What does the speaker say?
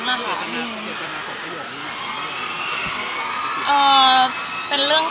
คำถามหน้าของคุณค่ะ